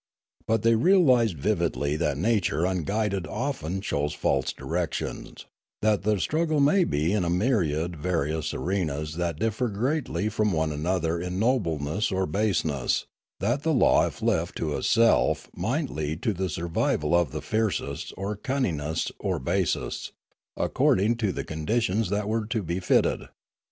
But they realised vividly that nature unguided often chose false directions, that the struggle may be in a myriad various arenas that differ greatly from one another in nobleness or baseness, that the law if left to itself might lead to the survival of the fiercest or cun ningest or basest according to the conditions that were to be fitted.